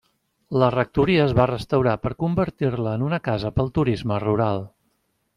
La rectoria es va restaurar per convertir-la en una casa pel turisme rural.